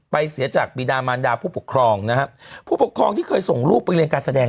เสียจากปีดามานดาผู้ปกครองนะครับผู้ปกครองที่เคยส่งลูกไปเรียนการแสดง